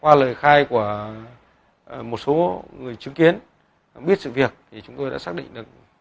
qua lời khai của một số người chứng kiến biết sự việc thì chúng tôi đã xác định được